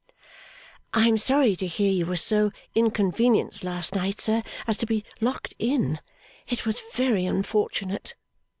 'I am sorry to hear you were so inconvenienced last night, sir, as to be locked in. It was very unfortunate.